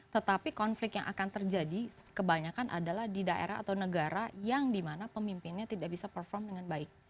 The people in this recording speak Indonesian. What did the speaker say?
tetapi konflik yang akan terjadi kebanyakan adalah di daerah atau negara yang dimana pemimpinnya tidak bisa perform dengan baik